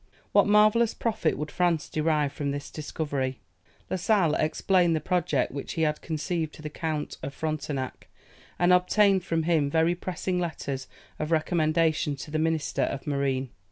What marvellous profit would France derive from this discovery! La Sale explained the project which he had conceived to the Count of Frontenac, and obtained from him very pressing letters of recommendation to the Minister of Marine.